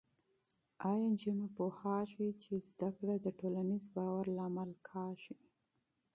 ایا نجونې پوهېږي چې زده کړه د ټولنیز باور سبب کېږي؟